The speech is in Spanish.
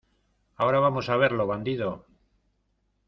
¡ ahora vamos a verlo, bandido!